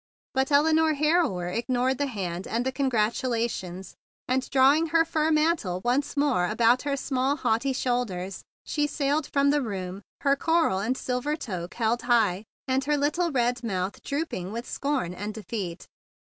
But Elinore Harrower ignored the hand and the congratulations; and, drawing her fur 174 THE BIG BLUE SOLDIER mantle once more about her small haughty shoulders, she sailed from the room, her coral and silver toque held high, and her little red mouth drooping with scorn and defeat.